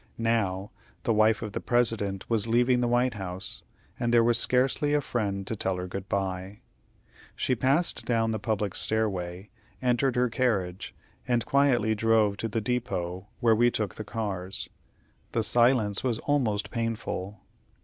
Now, the wife of the President was leaving the White House, and there was scarcely a friend to tell her good by. She passed down the public stairway, entered her carriage, and quietly drove to the depot where we took the cars. The silence was almost painful.